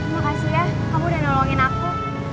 makasih ya kamu udah nolongin aku